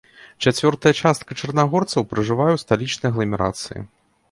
Чацвёртая частка чарнагорцаў пражывае ў сталічнай агламерацыі.